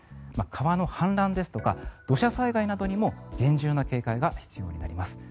川の氾濫ですとか土砂災害などにも厳重な警戒が必要になります。